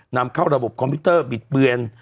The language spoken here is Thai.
นำเข้าระบบคอมพิวเตอร์บิดเบือน